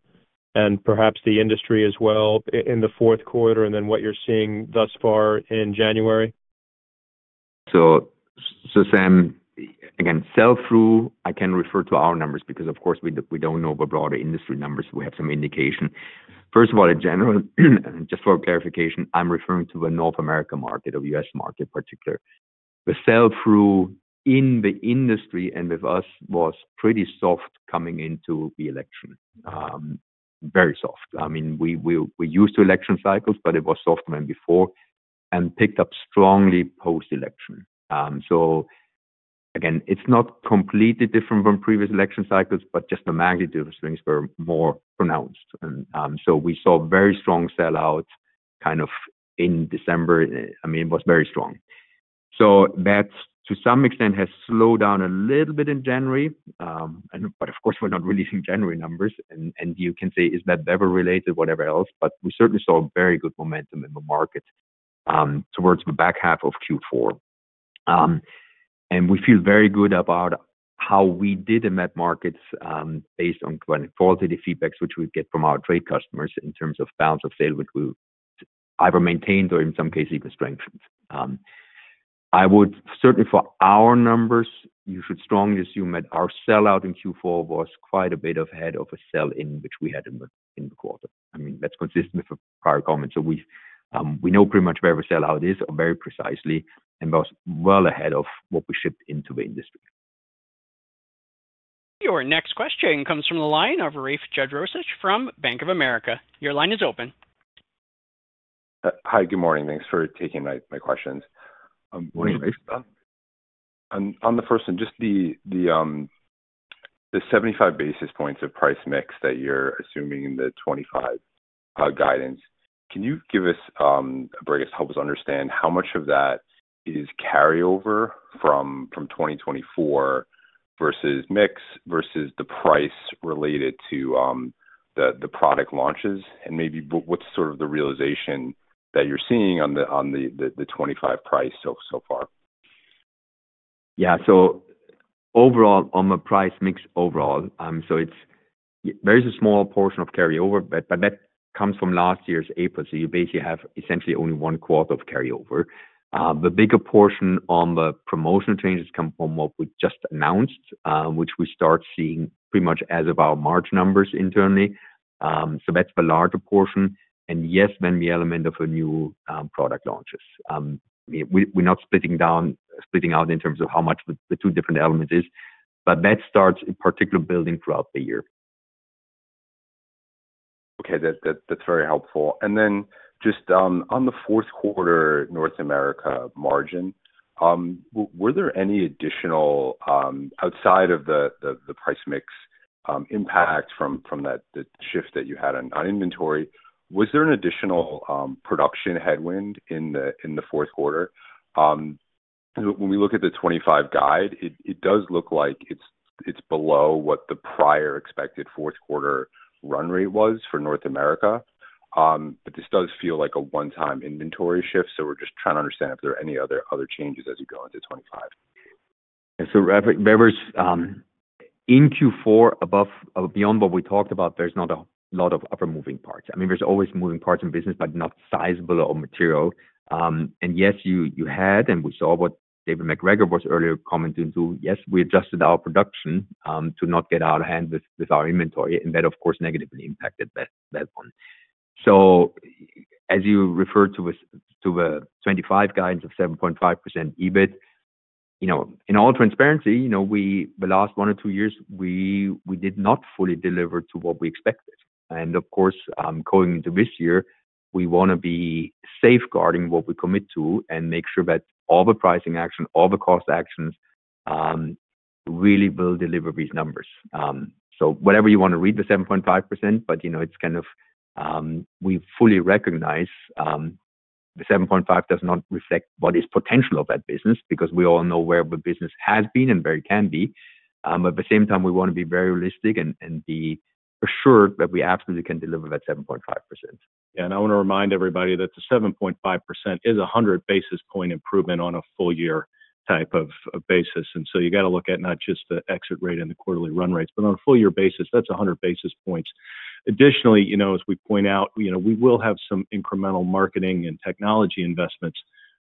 and perhaps the industry as well in the Q4 and then what you're seeing thus far in January? So, Sam, again, sell-through. I can refer to our numbers because, of course, we don't know overall the industry numbers. We have some indication. First of all, in general, just for clarification, I'm referring to the North America market, the U.S. market particularly. The sell-through in the industry and with us was pretty soft coming into the election. Very soft. I mean, we're used to election cycles, but it was soft when before and picked up strongly post-election. So again, it's not completely different from previous election cycles, but just the magnitude of things were more pronounced. And so we saw very strong sellout kind of in December. I mean, it was very strong. So that to some extent has slowed down a little bit in January. But of course, we're not releasing January numbers. You can say, is that ever related, whatever else, but we certainly saw very good momentum in the market towards the back half of Q4. We feel very good about how we did in that market based on qualitative feedbacks which we get from our trade customers in terms of balance of sale which we either maintained or in some cases even strengthened. I would certainly for our numbers, you should strongly assume that our sellout in Q4 was quite a bit ahead of a sell-in which we had in the quarter. I mean, that's consistent with the prior comments. We know pretty much where the sellout is very precisely and was well ahead of what we shipped into the industry. Your next question comes from the line of Rafe Jadrosich from Bank of America. Your line is open. Hi, good morning. Thanks for taking my questions. Morning, Rafe. On the first one, just the 75 basis points of price mix that you're assuming in the 2025 guidance, can you give us or I guess help us understand how much of that is carryover from 2024 versus mix versus the price related to the product launches? And maybe what's sort of the realization that you're seeing on the 2025 price so far? Yeah. So overall, on the price mix overall, so there is a small portion of carryover, but that comes from last year's April. So you basically have essentially only one quarter of carryover. The bigger portion on the promotional changes come from what we just announced, which we start seeing pretty much as of our margin numbers internally. So that's the larger portion. And yes, then the element of a new product launches. We're not splitting out in terms of how much the two different elements are, but that starts in particular building throughout the year. Okay. That's very helpful. And then just on the Q4 North America margin, were there any additional outside of the price mix impact from the shift that you had on inventory? Was there an additional production headwind in the Q4? When we look at the 2025 guide, it does look like it's below what the prior expected Q4 run rate was for North America. But this does feel like a one-time inventory shift. So we're just trying to understand if there are any other changes as you go into 2025. And so in Q4, beyond what we talked about, there's not a lot of other moving parts. I mean, there's always moving parts in business, but not sizable or material. And yes, you had, and we saw what David MacGregor was earlier commenting too. Yes, we adjusted our production to not get out of hand with our inventory, and that, of course, negatively impacted that one. So as you referred to the 2025 guidance of 7.5% EBIT, in all transparency, the last one or two years, we did not fully deliver to what we expected. And of course, going into this year, we want to be safeguarding what we commit to and make sure that all the pricing action, all the cost actions really will deliver these numbers. So whatever you want to read the 7.5%, but it's kind of we fully recognize the 7.5 does not reflect what is potential of that business because we all know where the business has been and where it can be. But at the same time, we want to be very realistic and be assured that we absolutely can deliver that 7.5%. Yeah. And I want to remind everybody that the 7.5% is a 100 basis point improvement on a full-year type of basis. And so you got to look at not just the exit rate and the quarterly run rates, but on a full-year basis, that's 100 basis points. Additionally, as we point out, we will have some incremental marketing and technology investments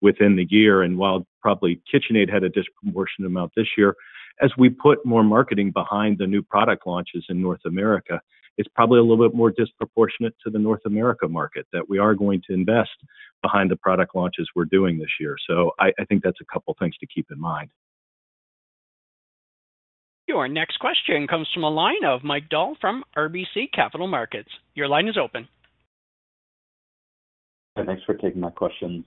within the year. And while probably KitchenAid had a disproportionate amount this year, as we put more marketing behind the new product launches in North America, it's probably a little bit more disproportionate to the North America market that we are going to invest behind the product launches we're doing this year. So I think that's a couple of things to keep in mind. Your next question comes from a line of Mike Dahl from RBC Capital Markets. Your line is open. Thanks for taking my questions.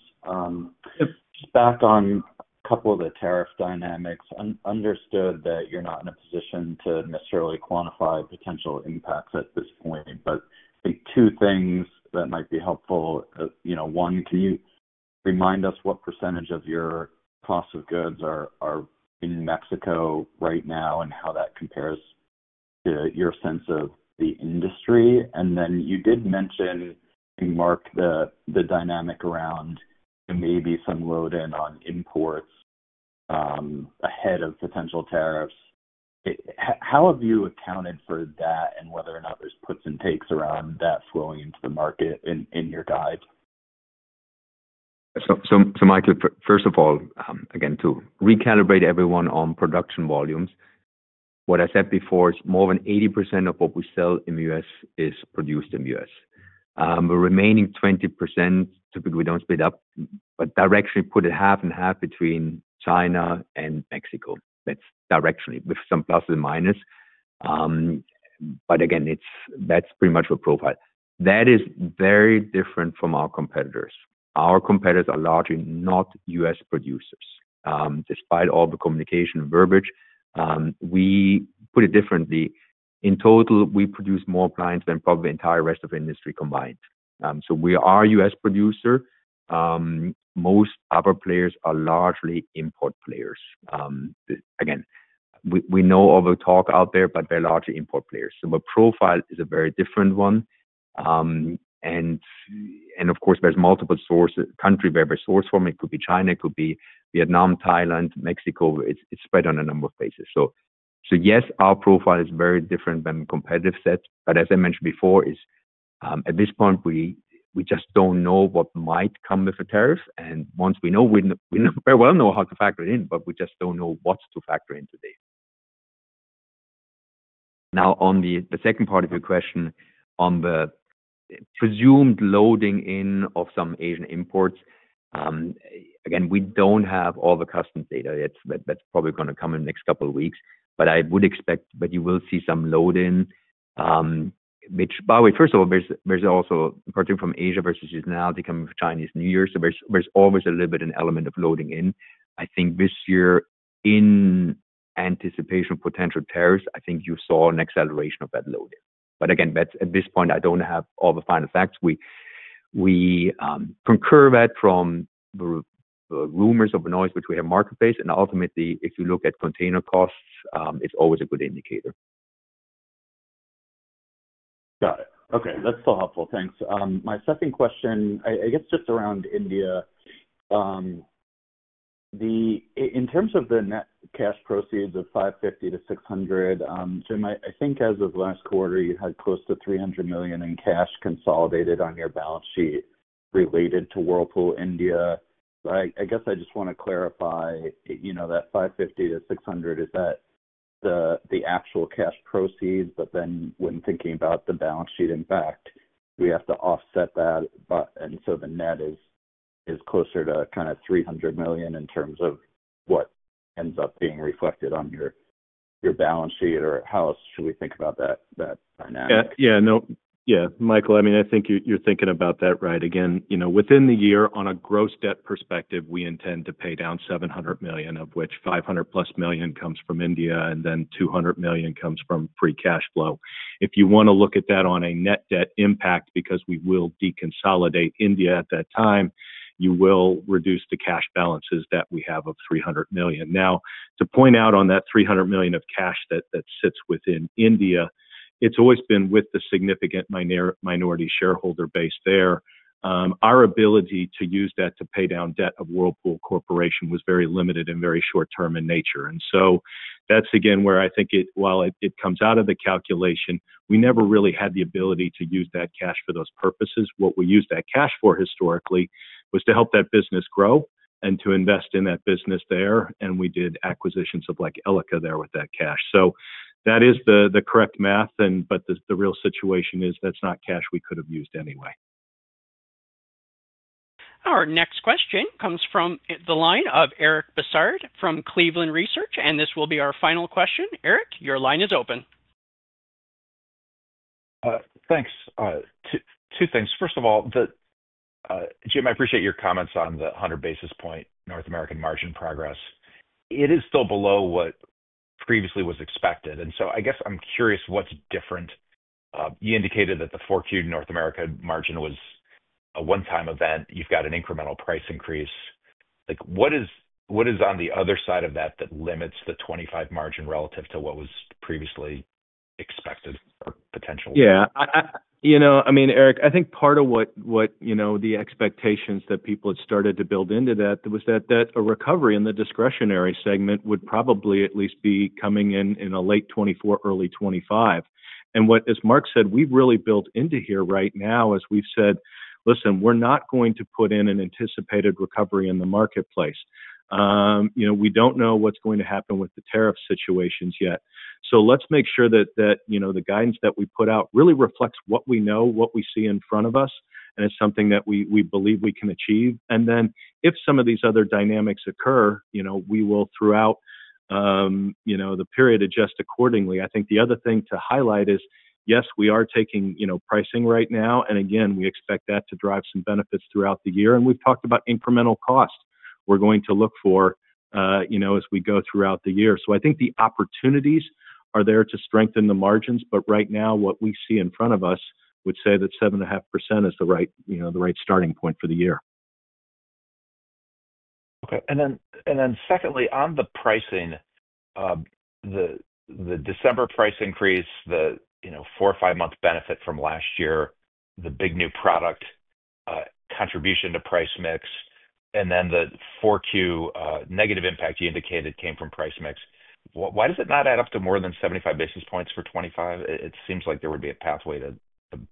Just back on a couple of the tariff dynamics, understood that you're not in a position to necessarily quantify potential impacts at this point, but I think two things that might be helpful. One, can you remind us what percentage of your cost of goods are in Mexico right now and how that compares to your sense of the industry? And then you did mention, Marc, the dynamic around maybe some load-in on imports ahead of potential tariffs. How have you accounted for that and whether or not there's puts and takes around that flowing into the market in your guide? So, Michael, first of all, again, to recalibrate everyone on production volumes, what I said before, more than 80% of what we sell in the U.S. is produced in the U.S. The remaining 20%, typically we don't split up, but directionally put it half and half between China and Mexico. That's directionally with some pluses and minuses. But again, that's pretty much the profile. That is very different from our competitors. Our competitors are largely not U.S. producers. Despite all the communication verbiage, we put it differently. In total, we produce more appliances than probably the entire rest of the industry combined. So we are a U.S. producer. Most other players are largely import players. Again, we know all the talk out there, but they're largely import players. So the profile is a very different one. And of course, there's multiple countries where we source from. It could be China. It could be Vietnam, Thailand, Mexico. It's spread on a number of bases. So yes, our profile is very different than the competitive set. But as I mentioned before, at this point, we just don't know what might come with the tariff. And once we know, we very well know how to factor it in, but we just don't know what to factor in today. Now, on the second part of your question on the presumed loading in of some Asian imports, again, we don't have all the customs data yet. That's probably going to come in the next couple of weeks. But I would expect that you will see some load-in, which, by the way, first of all, there's also a particular from Asia versus seasonality coming from Chinese New Year's. So there's always a little bit of an element of loading in. I think this year, in anticipation of potential tariffs, I think you saw an acceleration of that load-in. But again, at this point, I don't have all the final facts. We concur that from rumors or noise in the marketplace. And ultimately, if you look at container costs, it's always a good indicator. Got it. Okay. That's so helpful. Thanks. My second question, I guess just around India, in terms of the net cash proceeds of $550-600 million, Jim, I think as of last quarter, you had close to $300 million in cash consolidated on your balance sheet related to Whirlpool India. I guess I just want to clarify that $550-600 million, is that the actual cash proceeds, but then when thinking about the balance sheet, in fact, we have to offset that. So the net is closer to kind of $300 million in terms of what ends up being reflected on your balance sheet or how should we think about that dynamic? Yeah. Yeah. Michael, I mean, I think you're thinking about that right. Again, within the year, on a gross debt perspective, we intend to pay down $700, of which 500-plus million comes from India and then $200 million comes from free cash flow. If you want to look at that on a net debt impact, because we will deconsolidate India at that time, you will reduce the cash balances that we have of $300 million. Now, to point out on that $300 million of cash that sits within India, it's always been with the significant minority shareholder base there. Our ability to use that to pay down debt of Whirlpool Corporation was very limited and very short-term in nature. And so that's again where I think while it comes out of the calculation, we never really had the ability to use that cash for those purposes. What we used that cash for historically was to help that business grow and to invest in that business there. And we did acquisitions of like Elica there with that cash. So that is the correct math. But the real situation is that's not cash we could have used anyway. Our next question comes from the line of Eric Bosshard from Cleveland Research. And this will be our final question. Eric, your line is open. Thanks. Two things. First of all, Jim, I appreciate your comments on the 100 basis points North American margin progress. It is still below what previously was expected. And so I guess I'm curious what's different. You indicated that the Q4 North America margin was a one-time event. You've got an incremental price increase. What is on the other side of that that limits the 2025 margin relative to what was previously expected or potential? Yeah. I mean, Eric, I think part of what the expectations that people had started to build into that was that a recovery in the discretionary segment would probably at least be coming in in a late 2024, early 2025. And what, as Marc said, we've really built into here right now is we've said, "Listen, we're not going to put in an anticipated recovery in the marketplace. We don't know what's going to happen with the tariff situations yet. So let's make sure that the guidance that we put out really reflects what we know, what we see in front of us, and it's something that we believe we can achieve," and then if some of these other dynamics occur, we will throughout the period adjust accordingly. I think the other thing to highlight is, yes, we are taking pricing right now, and again, we expect that to drive some benefits throughout the year, and we've talked about incremental costs we're going to look for as we go throughout the year, so I think the opportunities are there to strengthen the margins. But right now, what we see in front of us would say that 7.5% is the right starting point for the year. Okay. And then, secondly, on the pricing, the December price increase, the four or five-month benefit from last year, the big new product contribution to price mix, and then the Q4 negative impact you indicated came from price mix. Why does it not add up to more than 75 basis points for 2025? It seems like there would be a pathway to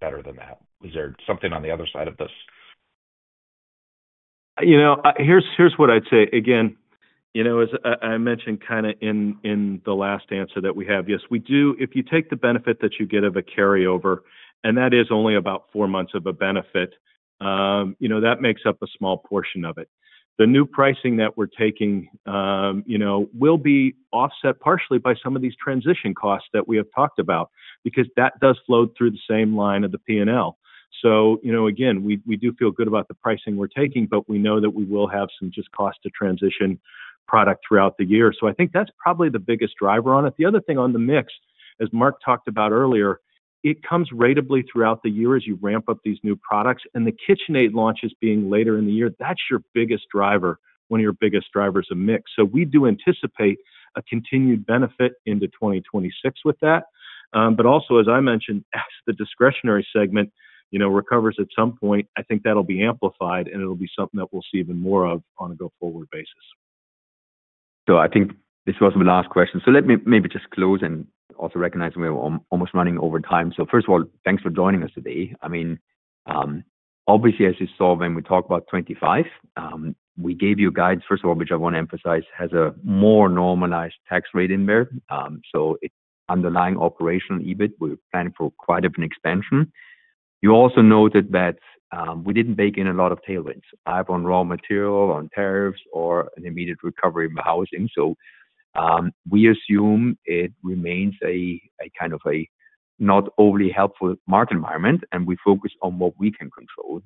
better than that. Is there something on the other side of this? Here's what I'd say. Again, as I mentioned kind of in the last answer that we have, yes, we do. If you take the benefit that you get of a carryover, and that is only about four months of a benefit, that makes up a small portion of it. The new pricing that we're taking will be offset partially by some of these transition costs that we have talked about because that does flow through the same line of the P&L. So again, we do feel good about the pricing we're taking, but we know that we will have some just cost-to-transition product throughout the year. So I think that's probably the biggest driver on it. The other thing on the mix, as Marc talked about earlier, it comes ratably throughout the year as you ramp up these new products. And the KitchenAid launches being later in the year, that's your biggest driver when your biggest driver is a mix. So we do anticipate a continued benefit into 2026 with that. But also, as I mentioned, as the discretionary segment recovers at some point, I think that'll be amplified, and it'll be something that we'll see even more of on a go-forward basis. So I think this was my last question. So let me maybe just close and also recognize we're almost running over time. So first of all, thanks for joining us today. I mean, obviously, as you saw when we talked about 2025, we gave you guides, first of all, which I want to emphasize has a more normalized tax rate in there. So it's underlying operational EBIT. We're planning for quite an expansion. You also noted that we didn't bake in a lot of tailwinds, either on raw material, on tariffs, or an immediate recovery in housing. So we assume it remains a kind of a not overly helpful market environment, and we focus on what we can control.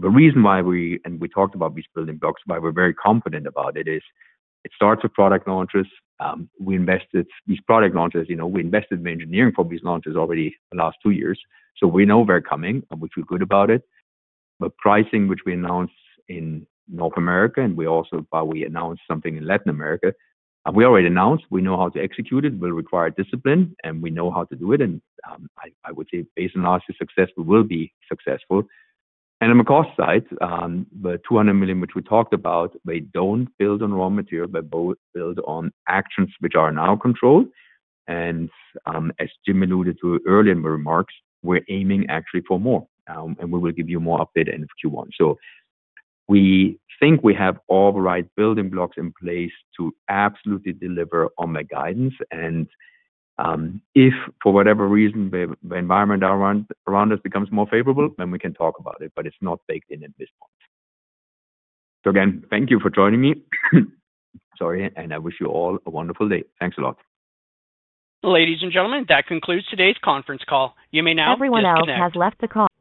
The reason why we, and we talked about these building blocks, why we're very confident about it is it starts with product launches. We invested these product launches. We invested in the engineering for these launches already the last two years. So we know they're coming, and we feel good about it. But pricing, which we announced in North America, and we also probably announced something in Latin America, we already announced. We know how to execute it. It will require discipline, and we know how to do it. And I would say based on last year's success, we will be successful. And on the cost side, the $200 million, which we talked about, they don't build on raw material, but both build on actions which are now controlled. And as Jim alluded to earlier in my remarks, we're aiming actually for more, and we will give you more update end of Q1. So we think we have all the right building blocks in place to absolutely deliver on the guidance. And if for whatever reason the environment around us becomes more favorable, then we can talk about it, but it's not baked in at this point. So again, thank you for joining me. Sorry. And I wish you all a wonderful day. Thanks a lot. Ladies and gentlemen, that concludes today's conference call. You may now disconnect. Everyone else has left the call.